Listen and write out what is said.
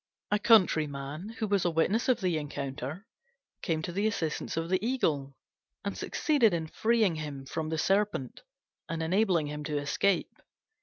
A countryman, who was a witness of the encounter, came to the assistance of the Eagle, and succeeded in freeing him from the Serpent and enabling him to escape.